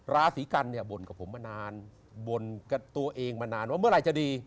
ราศีกันเนี่ยบ่นกับผมมานานบ่นกับตัวเองมานานว่าเมื่อไหร่จะดี